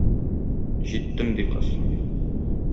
Җиттем, - ди кыз.